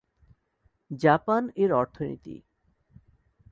Japan এর অর্থনীতি